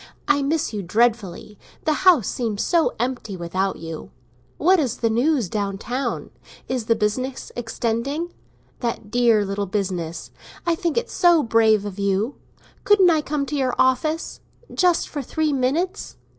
I miss you dreadfully; the house seems so empty without you. What is the news down town? Is the business extending? That dear little business—I think it's so brave of you! Couldn't I come to your office?—just for three minutes?